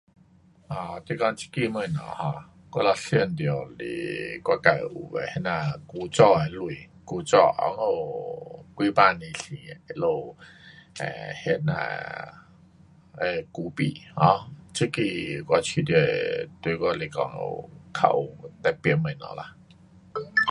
[um 这个手机的东西 um 我哒想到是我自有的那呐古早的钱，古早温故几百年前他们那呐的古币 um 这个我觉得，对我来讲有，较有特别的东西啦。